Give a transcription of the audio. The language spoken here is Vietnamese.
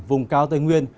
vùng cao tây nguyên